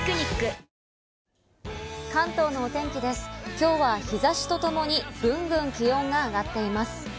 きょうは日差しとともにぐんぐん気温が上がっています。